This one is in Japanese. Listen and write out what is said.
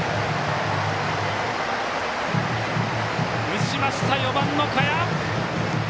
打ちました、４番の賀谷！